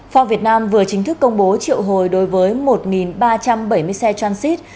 forb việt nam vừa chính thức công bố triệu hồi đối với một ba trăm bảy mươi xe transit